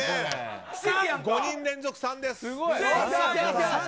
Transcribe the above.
５人連続３です。